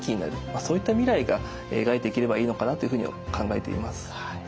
そういった未来が描いていければいいのかなというふうに考えています。